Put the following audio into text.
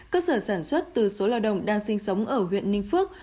cơ sở sản xuất từ số lao động đang sinh sống ở huyện ninh phước